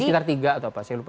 sekitar tiga atau apa saya lupa